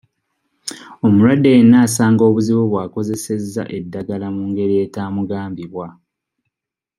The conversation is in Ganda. Omulwadde yenna asanga obuzibu bw'akozesezza eddagala mu ngeri etaamugambibwa.